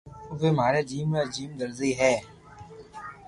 اووي ماري جيم را جيم درزي ھي